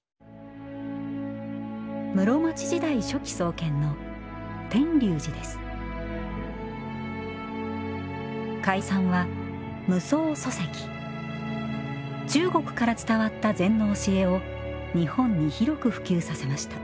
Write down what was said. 室町時代初期創建の開山は中国から伝わった禅の教えを日本に広く普及させました。